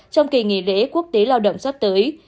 trong kỳ nghỉ lễ quốc tế lao động sắp tới